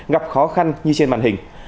gặp khó khăn như trên màn hình